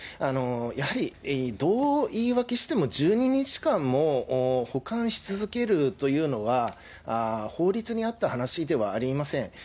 やはりどう言い訳しても、１２日間も保管し続けるというのは、法律に合った話ではありません。